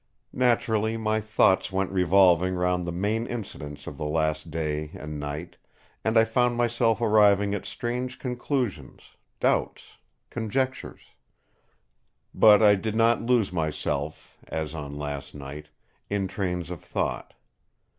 Naturally my thoughts went revolving round the main incidents of the last day and night, and I found myself arriving at strange conclusions, doubts, conjectures; but I did not lose myself, as on last night, in trains of thought.